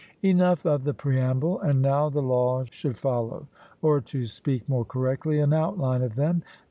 Enough of the preamble; and now the laws should follow; or, to speak more correctly, an outline of them.